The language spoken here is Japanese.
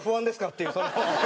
っていうその。